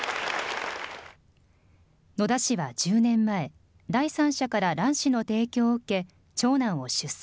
野田氏は１０年前、第三者から卵子の提供を受け、長男を出産。